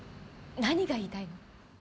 何が言いたいの？